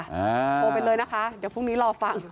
โทรไปเลยนะคะเดี๋ยวพรุ่งนี้รอฟัง